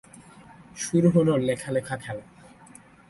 শুরু হলো লেখা লেখা খেলা।